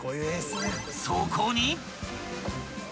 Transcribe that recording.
［そこに］